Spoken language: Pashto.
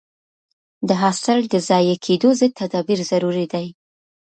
د حاصل د ضایع کېدو ضد تدابیر ضروري دي.